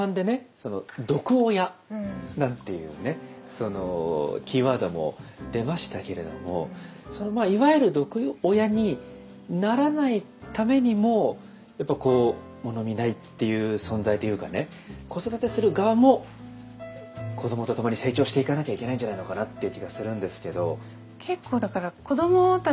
その毒親なんていうねキーワードも出ましたけれどもいわゆる毒親にならないためにもやっぱこう物見台っていう存在というかね子育てする側も子どもと共に成長していかなきゃいけないんじゃないのかなっていう気がするんですけど。